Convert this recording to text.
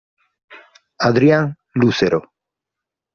Adrián Lucero